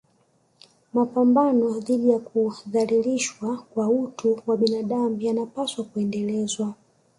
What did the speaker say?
Mapambano dhidi ya kudhalilishwa kwa utu wa binadamu yanapaswa kuendelezwa